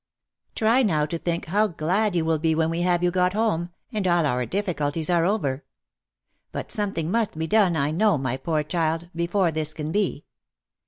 Try now, to think how glad you will be when we have got you homeland all our difficulties are over ! But something must be done, I know, my poor child, before this can be.